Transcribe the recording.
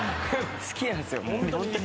好きなんすよ。